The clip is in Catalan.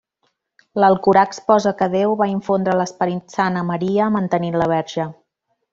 L'Alcorà exposa que Déu va infondre l'Esperit Sant a Maria mantenint-la verge.